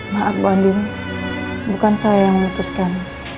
maaf wandin bukan saya yang memutuskan